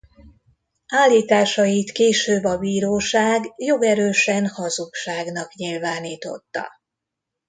Állításait később a bíróság jogerősen hazugságnak nyilvánította.